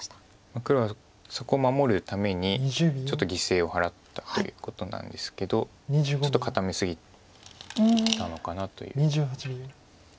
黒はそこを守るためにちょっと犠牲を払ったということなんですけどちょっと固め過ぎたのかなという。